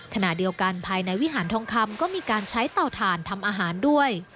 ขณะเดียวกันภายในวิหารทองคำก็มีการใช้เตาถ่านทำอาหารด้วย